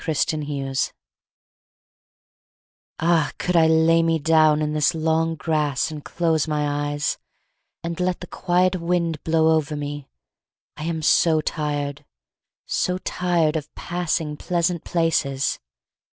JOURNEY Ah, could I lay me down in this long grass And close my eyes, and let the quiet wind Blow over me I am so tired, so tired Of passing pleasant places!